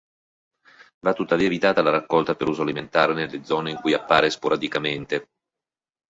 Va tuttavia evitata la raccolta per uso alimentare nelle zone in cui appare sporadicamente.